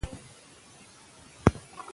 د معافیتي سیسټم قوي کول د واکسین موخه ده.